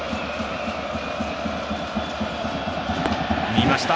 見ました。